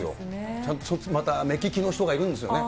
ちゃんと目利きの人がいるんですよね。